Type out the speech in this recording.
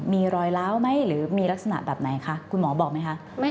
มีรอยล้าวไหมหรือมีลักษณะแบบไหนคะคุณหมอบอกไหมคะ